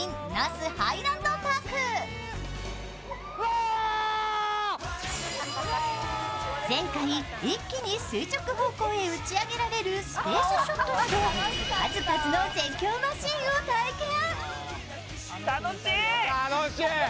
あれ前回、一気に垂直方向へ打ち上げられるスペースショットなど数々の絶叫マシーンを体験。